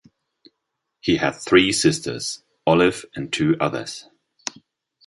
He had three sisters, Olive, and two others.